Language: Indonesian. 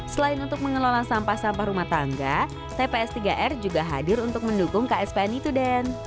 selain untuk mengelola sampah sampah rumah tangga tps tiga r juga hadir untuk mendukung kspn itu den